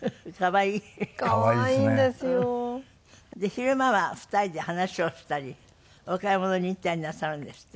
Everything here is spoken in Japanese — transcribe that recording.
昼間は２人で話をしたりお買い物に行ったりなさるんですって？